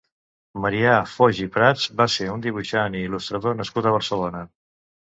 Marià Foix i Prats va ser un dibuixant i il·lustrador nascut a Barcelona.